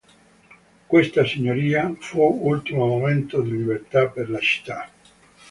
Questa signoria fu l'ultimo momento di libertà per la città.